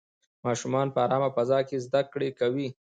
ماشومان په ارامه فضا کې زده کړې کوي.